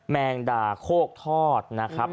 แมงดาโคกทอดนะครับ